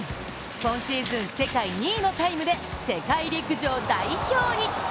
今シーズン世界２位のタイムで世界陸上代表に。